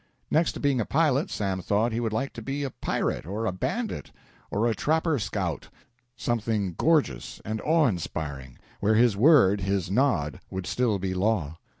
Next to being a pilot, Sam thought he would like to be a pirate or a bandit or a trapper scout something gorgeous and awe inspiring, where his word, his nod, would still be law.